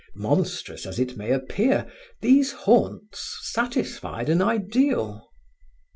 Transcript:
Monstrous as it may appear, these haunts satisfied an ideal.